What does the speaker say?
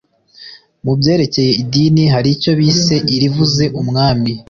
mu byerekeye idini hari icyo bise irivuze umwami